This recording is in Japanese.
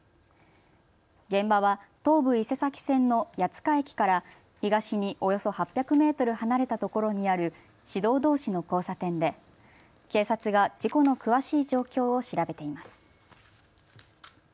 現場は東武伊勢崎線の谷塚駅から東におよそ８００メートル離れたところにある市道どうしの交差点で警察が事故の詳しい状況を調べています。